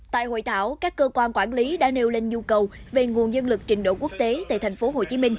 tại hội thảo các cơ quan quản lý đã nêu lên nhu cầu về nguồn nhân lực trình độ quốc tế tại tp hcm